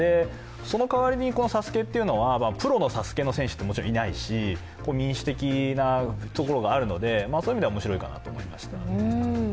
そのかわりにＳＡＳＵＫＥというのは、プロのＳＡＳＵＫＥの選手はもちろんいないし、民主的なところがあるのでそういう意味では面白いかなと思いましたね。